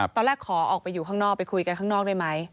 ขอออกไปอยู่ข้างนอกไปคุยกันข้างนอกได้ไหม